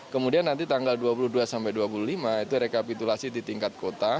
kemudian nanti tanggal dua puluh dua sampai dua puluh lima itu rekapitulasi di tingkat kota